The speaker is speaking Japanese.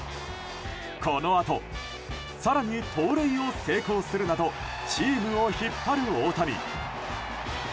このあと更に盗塁を成功するなどチームを引っ張る大谷。